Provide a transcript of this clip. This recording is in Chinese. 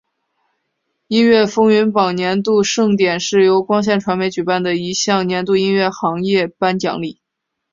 音乐风云榜年度盛典是由光线传媒举办的一项年度音乐行业颁奖礼。